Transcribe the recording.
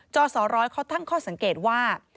สสร้อยเขาตั้งข้อสังเกตว่า